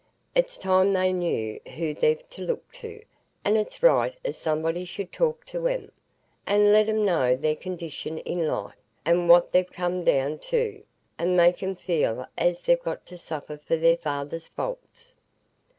It's time they knew who they've to look to, and it's right as somebody should talk to 'em, and let 'em know their condition i' life, and what they're come down to, and make 'em feel as they've got to suffer for their father's faults."